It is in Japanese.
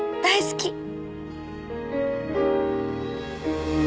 大好き！